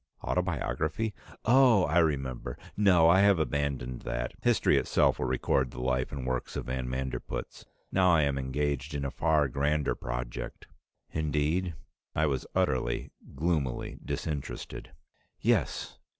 "Autobiography? Oh! I remember. No, I have abandoned that. History itself will record the life and works of van Manderpootz. Now I am engaged in a far grander project." "Indeed?" I was utterly, gloomily disinterested. "Yes.